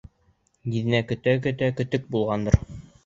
Еҙнәм көтә-көтә көтөк булғандыр.